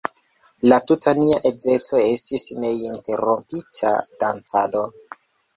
La tuta nia edzeco estis neinterrompita dancado.